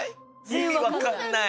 意味分かんない。